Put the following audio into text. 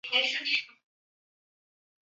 机关驻地位于宁波市。